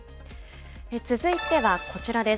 続いてはこちらです。